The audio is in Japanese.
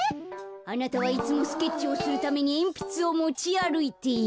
あなたはいつもスケッチをするためにえんぴつをもちあるいている。